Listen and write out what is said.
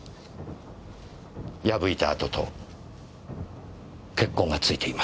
破いた跡と血痕が付いています。